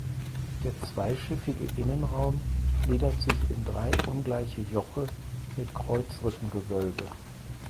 Der zweischiffige Innenraum gliedert sich in drei ungleiche Joche mit Kreuzrippengewölbe.